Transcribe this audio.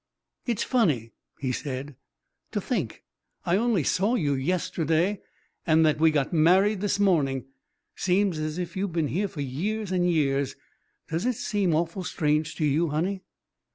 "It's funny," he said, "to think I only saw you yesterday, and that we got married this morning. Seems as if you'd been here for years and years. Does it seem awful strange to you, honey?"